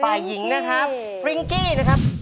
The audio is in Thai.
ฝ่ายหญิงนะครับปริงกี้นะครับ